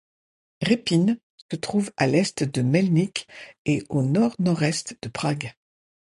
Řepín se trouve à à l'est de Mělník et à au nord-nord-est de Prague.